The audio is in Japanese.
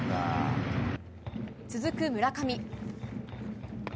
続く村上。